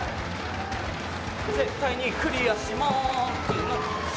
絶対にクリアし牧野！